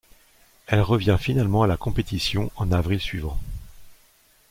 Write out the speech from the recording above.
Elle revient finalement à la compétition en avril suivant.